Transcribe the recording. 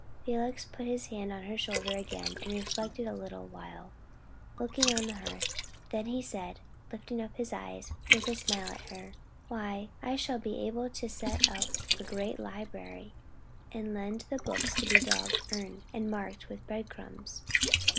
Felix put his hand on her shoulder again and reflected a little while, looking on the hearth: then he said, lifting up his eyes, with a smile at her "Why, I shall be able to set up a great library, and lend the books to be dog's eared and marked with bread crumbs."